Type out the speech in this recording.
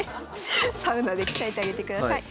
サウナで鍛えてあげてください。